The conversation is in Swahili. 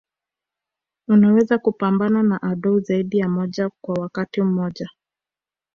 Unaweza kupambana na adui zaidi ya mmoja kwa wakati mmoja